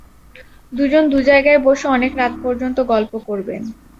দুজন দু জায়গায় বসে অনেক রাত পর্যন্ত গল্প করবেন।